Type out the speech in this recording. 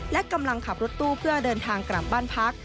และกำลังขับรถตู้เพื่อเดินทางกลับบ้านพัก